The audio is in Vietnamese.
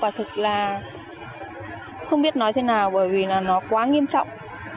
quả thực là không biết nói thế nào bởi vì là nó quá nghiêm trọng